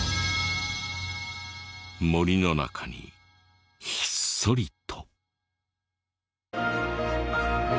森の中にひっそりと。